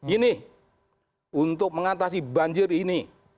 ini untuk mengatasi banjir ini